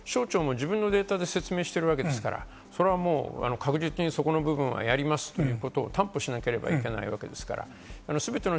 そうすると省庁も自分のデータで説明してるわけですから確実にそこの部分はやりますということを担保しなければいけないわけですから。